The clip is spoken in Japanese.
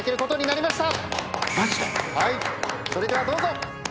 それではどうぞ！